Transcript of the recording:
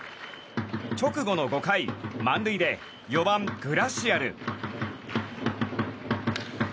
直後の５回満塁で４番、グラシアル。